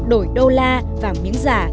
đổi đô la và miếng giả